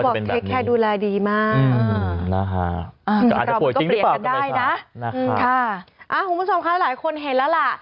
คุณผู้ชมค่ะหลายคนเห็นแล้วล่ะ